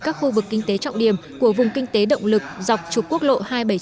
các khu vực kinh tế trọng điểm của vùng kinh tế động lực dọc trục quốc lộ hai trăm bảy mươi chín